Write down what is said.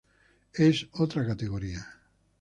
Es otra categoría.